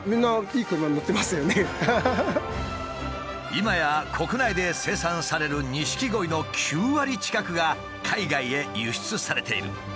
今や国内で生産される錦鯉の９割近くが海外へ輸出されている。